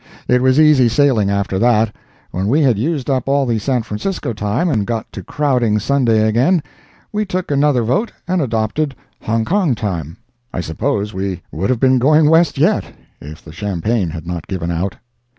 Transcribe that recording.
It was easy sailing after that. When we had used up all the San Francisco time, and got to crowding Sunday again, we took another vote and adopted Hongkong time. I suppose we would have been going west yet, if the champagne had not given out.